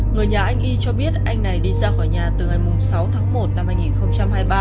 người nhà anh y cho biết anh này đi ra khỏi nhà từ ngày sáu tháng một năm hai nghìn hai mươi ba